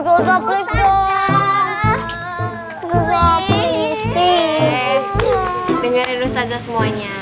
dengarin lu saja semuanya